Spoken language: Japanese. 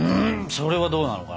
それはどうなのかな？